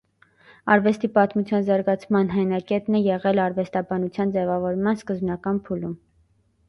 Արվեստի պատմության զարգացման հենակետն է եղել արվեստաբանության ձևավորման սկզբնական փուլում։